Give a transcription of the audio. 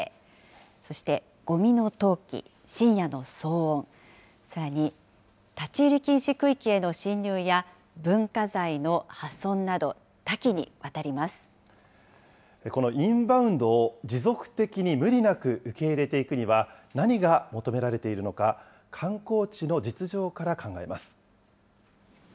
そしてごみの投棄、深夜の騒音、さらに立ち入り禁止区域への侵入や文化財の破損など、多岐にわたこのインバウンドを持続的に無理なく受け入れていくには、何が求められているのか、観光地の実情から考えます。